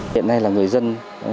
hiện nay là người dân